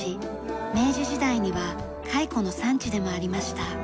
明治時代には蚕の産地でもありました。